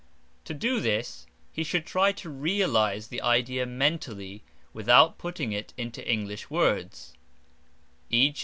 To do this he should try to realise the idea mentally without putting it into English words, e.